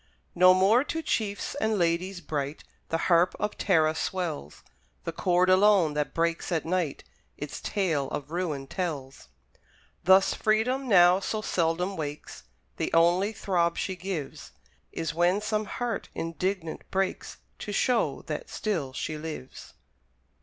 No more to chiefs and ladies bright The harp of Tara swells; The chord alone, that breaks at night, Its tale of ruin tells. Thus Freedom now so seldom wakes, The only throb she gives, Is when some heart indignant breaks, To show that still she lives.